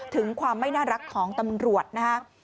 ถึงความไม่น่ารักของตำรวจ